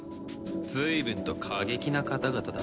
随分と過激な方々だ。